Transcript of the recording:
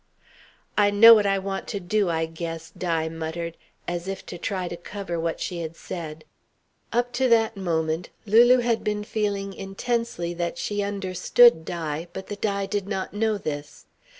"I know what I want to do, I guess," Di muttered, as if to try to cover what she had said. Up to that moment, Lulu had been feeling intensely that she understood Di, but that Di did not know this.